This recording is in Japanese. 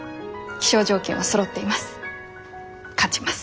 気象条件はそろっています。